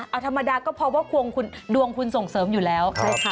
เอาธรรมดาก็เพราะว่าดวงคุณส่งเสริมอยู่แล้ว